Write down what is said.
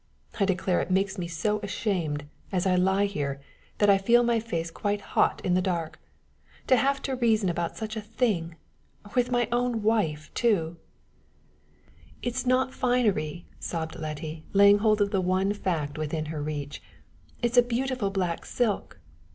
I declare it makes me so ashamed, as I lie here, that I feel my face quite hot in the dark! To have to reason about such a thing with my own wife, too!" "It's not finery," sobbed Letty, laying hold of the one fact within her reach; "it's a beautiful black silk."